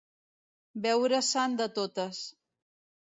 Veure-se'n de totes.